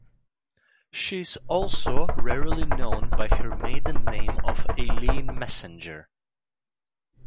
She is also rarely known by her maiden name of Eileen Messenger.